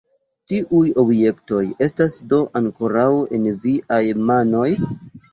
Tiuj objektoj estas do ankoraŭ en viaj manoj?